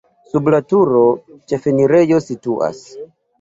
Sub la turo ĉefenirejo situas.